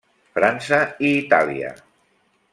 França i Itàlia.